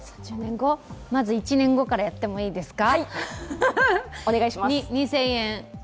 まず１年後からやってもいいですか。